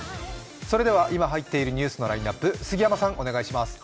それでは今入っているニュースのラインナップ杉山さんお願いします。